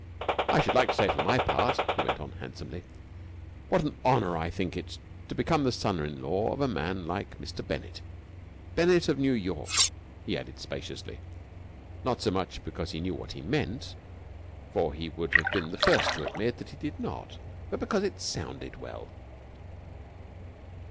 And I should like to say for my part," he went on handsomely, "what an honour I think it, to become the son in law of a man like Mr. Bennett. Bennett of New York!" he added spaciously, not so much because he knew what he meant, for he would have been the first to admit that he did not, but because it sounded well.